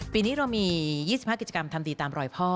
ปีนี้เรามี๒๕กิจกรรมทำดีตามรอยพ่อ